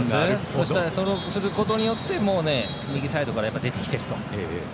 そうすることで右サイドから出てきていると。